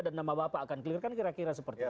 dan nama bapak akan clear kan kira kira seperti itu